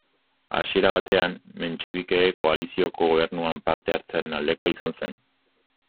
Hasiera batean, mentxebikeek koalizioko Gobernuan parte hartzearen aldekoa izan zen.